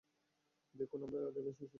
দেখুন, আমরা রিলেশনশীপে ছিল।